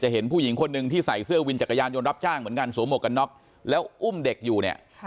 เห็นผู้หญิงคนหนึ่งที่ใส่เสื้อวินจักรยานยนต์รับจ้างเหมือนกันสวมหวกกันน็อกแล้วอุ้มเด็กอยู่เนี่ย